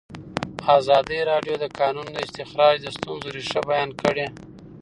ازادي راډیو د د کانونو استخراج د ستونزو رېښه بیان کړې.